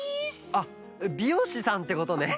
あっびようしさんってことね。